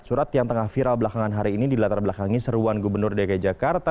surat yang tengah viral belakangan hari ini di latar belakangi seruan gubernur dg jakarta